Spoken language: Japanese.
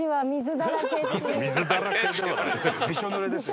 びしょ濡れですよ。